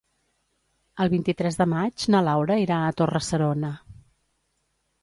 El vint-i-tres de maig na Laura irà a Torre-serona.